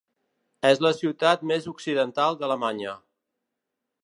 És la ciutat més occidental d'Alemanya.